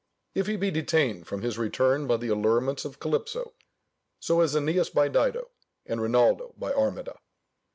If he be detained from his return by the allurements of Calypso, so is Æneas by Dido, and Rinaldo by Armida.